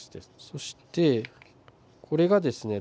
そしてこれがですね